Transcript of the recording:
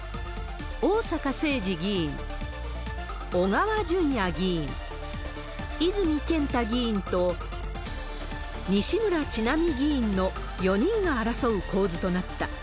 逢坂誠二議員、小川淳也議員、泉健太議員と、西村智奈美議員の４人が争う構図となった。